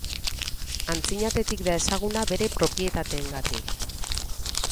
Antzinatetik da ezaguna bere propietateengatik.